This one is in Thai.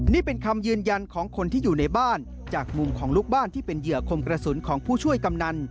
นี่เป็นคำยืนยันของคนที่อยู่ในบ้านจากมุมของลูกบ้านที่เป็นเหยื่อคมกระสุนของผู้ช่วยกำนัน